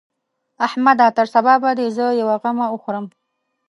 احمده! تر سبا به دې زه يوه غمه وخورم.